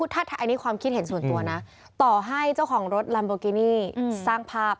ถ้าอันนี้ความคิดเห็นส่วนตัวนะต่อให้เจ้าของรถลัมโบกินี่สร้างภาพ